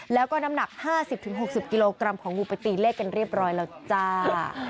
แล้วก็น้ำหนัก๕๐๖๐กิโลกรัมของงูไปตีเลขกันเรียบร้อยแล้วจ้า